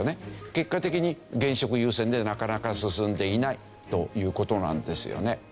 結果的に現職優先でなかなか進んでいないという事なんですよね。